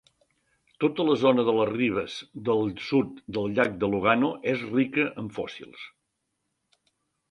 Tota la zona de les ribes del sud del llac de Lugano és rica en fòssils.